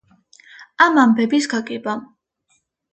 ამ ამბების გაგებამ.